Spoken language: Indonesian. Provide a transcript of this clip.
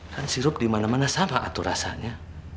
kan sirup dimana mana sama atur rasanya